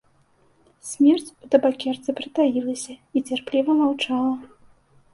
Смерць у табакерцы прытаілася і цярпліва маўчала.